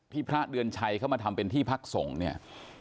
พระเดือนชัยเข้ามาทำเป็นที่พักส่งเนี่ย